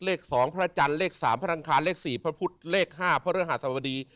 เลข๒พระจันทร์เลข๓พระอังคารเลข๔พระพุทธเลข๕พระฤหัสบดี